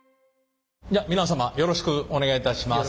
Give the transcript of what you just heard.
じゃあ皆様よろしくお願いいたします。